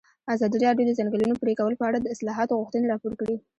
ازادي راډیو د د ځنګلونو پرېکول په اړه د اصلاحاتو غوښتنې راپور کړې.